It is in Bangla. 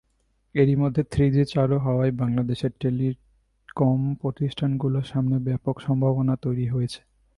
এরমধ্যেই থ্রিজি চালু হওয়ায় বাংলাদেশের টেলিকম প্রতিষ্ঠানগুলোর সামনে ব্যাপক সম্ভাবনা তৈরি হয়েছে।